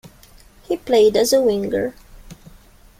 He played as a winger.